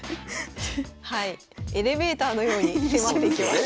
はいエレベーターのように迫っていきます。